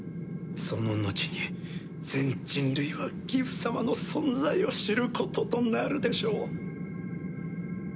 そののちに全人類はギフ様の存在を知ることとなるでしょう。